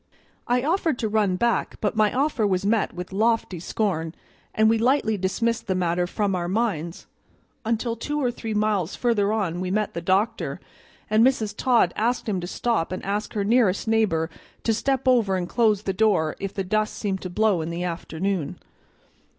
I offered to run back, but my offer was met with lofty scorn, and we lightly dismissed the matter from our minds, until two or three miles further on we met the doctor, and Mrs. Todd asked him to stop and ask her nearest neighbor to step over and close the door if the dust seemed to blow in the afternoon.